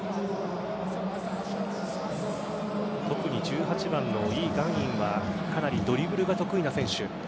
特に１８番のイ・ガンインはかなりドリブルが得意な選手。